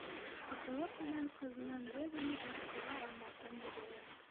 Ҡатылыҡ менән ҡыҙынан бер ни әйттерә алмаҫын да белә.